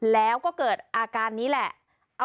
แล้วก็เกิดอาการนี้แหละ